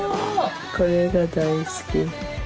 これが大好き。